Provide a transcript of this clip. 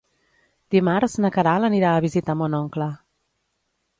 Dimarts na Queralt anirà a visitar mon oncle.